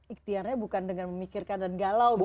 ikhtiaranya bukan dengan memikirkan dan galau gitu ya